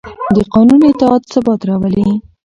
د قانون اطاعت ثبات راولي